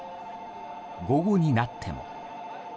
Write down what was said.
午後になっても。